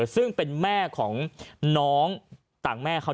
ซึ่งเป็นแม่ของน้องต่างแม่เขา